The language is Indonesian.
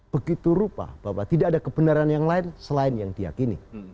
begitu rupa bahwa tidak ada kebenaran yang lain selain yang diakini